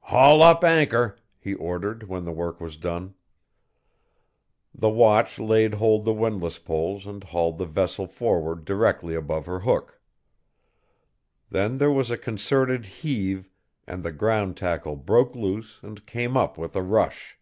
"Haul up anchor," he ordered when the work was done. The watch laid hold the windlass poles and hauled the vessel forward directly above her hook. Then there was a concerted heave and the ground tackle broke loose and came up with a rush.